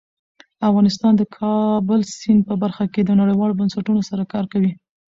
افغانستان د د کابل سیند په برخه کې نړیوالو بنسټونو سره کار کوي.